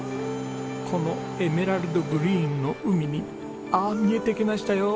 このエメラルドグリーンの海にああ見えてきましたよ。